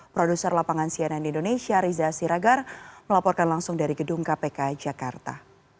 produser lapangan cnn indonesia reza siragar melaporkan langsung dari gedung kpk jakarta